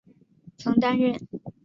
曾担任大学热舞社社长。